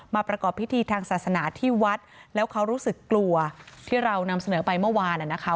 ประกอบพิธีทางศาสนาที่วัดแล้วเขารู้สึกกลัวที่เรานำเสนอไปเมื่อวานนะคะ